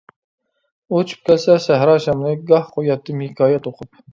ئۇچۇپ كەلسە سەھرا شامىلى، گاھ قوياتتىم ھېكايە توقۇپ.